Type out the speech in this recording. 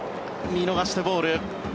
見逃してボール。